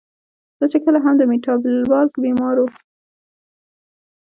زۀ چې کله هم د ميټابالک بيمارو